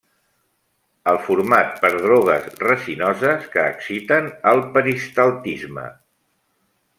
Els formats per drogues resinoses, que exciten el peristaltisme.